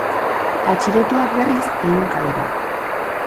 Atxilotuak, berriz, ehunka dira.